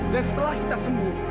dan setelah kita sembuh